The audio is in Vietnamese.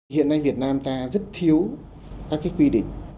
hiện nay việt nam ta rất thiếu các cái quy định